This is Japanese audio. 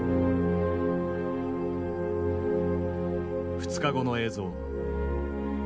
２日後の映像。